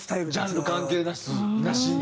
ジャンル関係なしに。